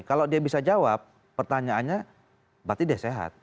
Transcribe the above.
kalau dia bisa jawab pertanyaannya berarti dia sehat